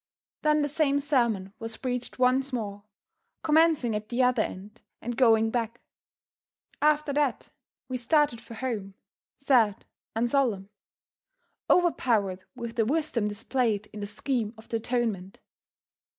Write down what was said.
Then the same sermon was preached once more, commencing at the other end and going back. After that, we started for home, sad and solemn overpowered with the wisdom displayed in the scheme of the atonement.